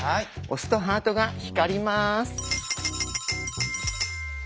押すとハートが光ります。